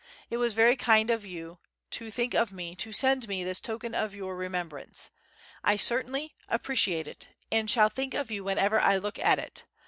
It was very kind of you to think of me to send me this token of your remembrance. I certainly, appreciate it, and shall think of you whenever I look at it.